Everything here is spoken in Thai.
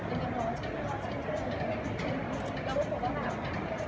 มันเป็นสิ่งที่จะให้ทุกคนรู้สึกว่า